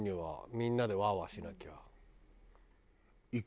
みんなでワーワーしなきゃ。